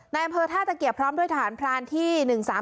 อำเภอท่าตะเกียบพร้อมด้วยทหารพรานที่๑๓๓